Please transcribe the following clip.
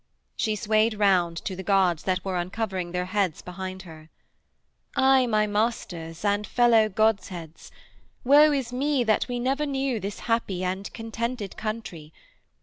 She swayed round to the gods that were uncovering their heads behind her: 'Aye, my masters and fellow godheads: woe is me that we knew never this happy and contented country.